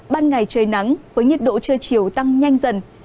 ban ngày trời nắng với nhiệt độ trưa chiều tăng nhanh dần